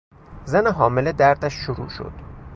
زن حامله دردش شروع شد.